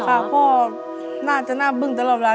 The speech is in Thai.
ค่ะพ่อหน้าจะหน้าบึงตลอดร้าน